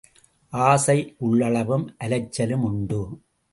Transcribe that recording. ஆசை உள்ளளவும் அலைச்சலும் உண்டு.